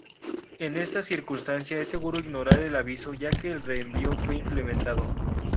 En esta circunstancia, es seguro ignorar el aviso ya que el reenvío fue implementando.